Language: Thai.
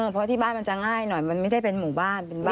เพราะที่บ้านมันจะง่ายหน่อยมันไม่ได้เป็นหมู่บ้านเป็นบ้าน